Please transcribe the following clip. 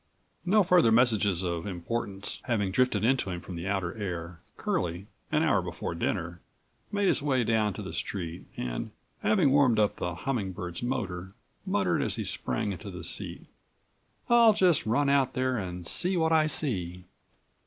No further messages of importance having drifted in to him from the outer air, Curlie, an hour before dinner, made his way down to the street and, having warmed up the Humming Bird's motor, muttered as he sprang into the seat: "I'll just run out there and see what I see."